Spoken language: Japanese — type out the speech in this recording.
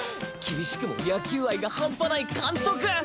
厳しくも野球愛が半端ない監督。